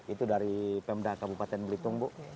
itu dari pemda kabupaten belitung bu